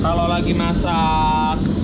kalau lagi masak